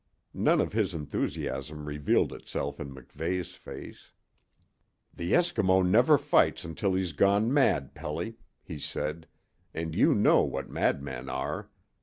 None of his enthusiasm revealed itself in MacVeigh's face. "The Eskimo never fights until he's gone mad, Pelly," he said, "and you know what madmen are.